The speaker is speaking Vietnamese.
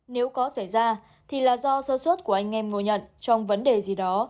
nếu có xảy ra thì là do sơ suất của anh em ngồi nhận trong vấn đề gì đó